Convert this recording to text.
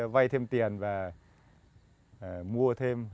vây thêm tiền và mua thêm